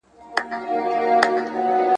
که وچي شونډي ګرځم انتظاربه پکښي نه وي